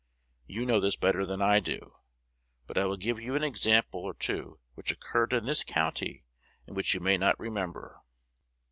You know this better than I do. But I will give you an example or two which occurred in this county, and which you may not remember.